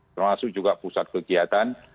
termasuk juga pusat kegiatan